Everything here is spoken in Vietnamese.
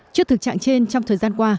trước thực trạng trên trong thời gian qua